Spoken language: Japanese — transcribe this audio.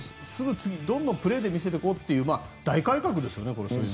どんどんプレーで見せていこうという大改革ですよね。